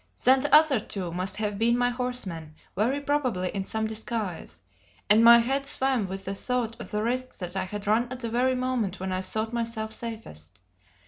Then the other two must have been my horse men, very probably in some disguise; and my head swam with the thought of the risk that I had run at the very moment when I thought myself safest.